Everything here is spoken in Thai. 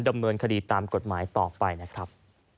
ดำเนินคดีตามกฎหมายต่อไปนะครับ